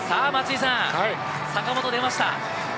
坂本、出ました。